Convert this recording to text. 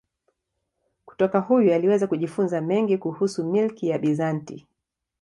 Kutoka huyu aliweza kujifunza mengi kuhusu milki ya Bizanti.